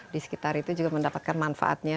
di sekitar itu juga mendapatkan manfaatnya